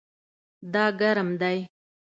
دا ګرم دی